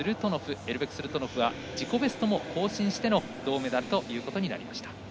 エルベク・スルトノフは自己ベストも更新しての銅メダルということになりました。